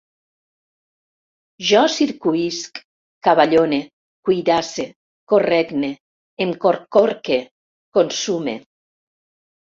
Jo circuïsc, cavallone, cuirasse, corregne, em corcorque, consume